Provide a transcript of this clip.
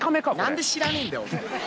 何で知らねえんだよお前。